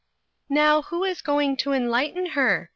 " Now, who is going to enlighten her